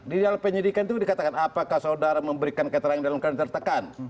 di dalam penyidikan itu dikatakan apakah saudara memberikan keterangan dalam keadaan tertekan